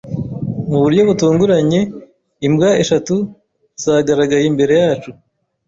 Mu buryo butunguranye, imbwa eshatu zagaragaye imbere yacu.